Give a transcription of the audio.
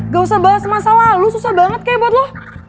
gak usah bahas masa lalu susah banget kayak buat lo